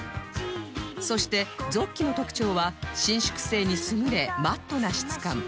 そしてゾッキの特徴は伸縮性に優れマットな質感